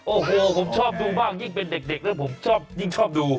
โอ้โหผมชอบดูมากยิ่งเป็นเด็กแล้วผมชอบยิ่งชอบดู